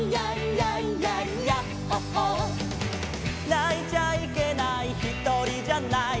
「泣いちゃいけないひとりじゃない」